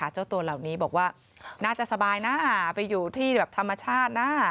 เจ้าตัวเหล่านี้บอกว่าน่าจะสบายนะไปอยู่ที่แบบธรรมชาตินะ